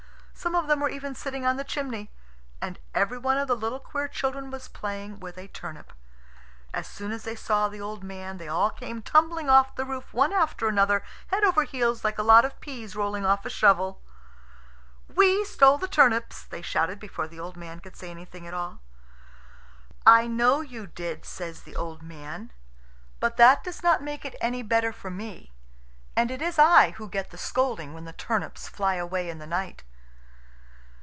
Some of them were even sitting on the chimney. And everyone of the little queer children was playing with a turnip. As soon as they saw the old man they all came tumbling off the roof, one after another, head over heels, like a lot of peas rolling off a shovel. "We stole the turnips!" they shouted, before the old man could say anything at all. "I know you did," says the old man; "but that does not make it any better for me. And it is I who get the scolding when the turnips fly away in the night."